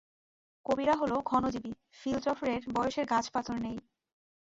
কবিরা হল ক্ষণজীবী, ফিলজফরের বয়সের গাছপাথর নেই।